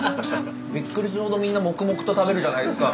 びっくりするほどみんな黙々と食べるじゃないですか。